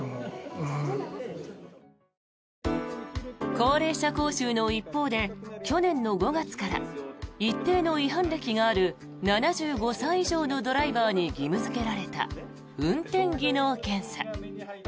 高齢者講習の一方で去年の５月から一定の違反歴がある７５歳以上のドライバーに義務付けられた運転技能検査。